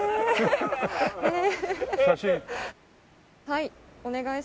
はい。